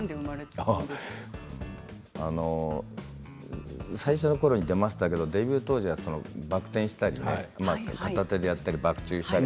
あの最初のころに出ましたけどデビュー当時はバク転したり片手でやって、バック宙したり。